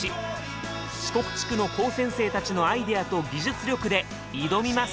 四国地区の高専生たちのアイデアと技術力で挑みます。